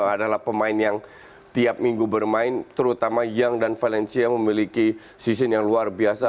adalah pemain yang tiap minggu bermain terutama young dan valencia memiliki season yang luar biasa